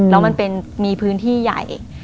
แล้วมันเป็นมีพื้นที่ใหญ่